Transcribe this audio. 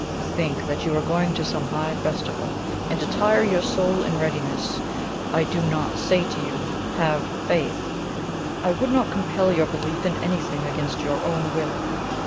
Think that you are going to some high festival, and attire your soul in readiness. I do not say to you 'Have faith;' I would not compel your belief in anything against your own will.